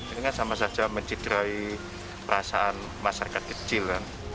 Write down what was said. ini kan sama saja mencitrai perasaan masyarakat kecil